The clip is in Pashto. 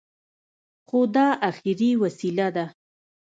خو دا اخري وسيله ده.